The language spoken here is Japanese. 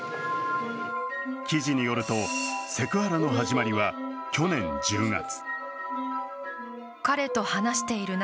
記事によると、セクハラの始まりは去年１０月。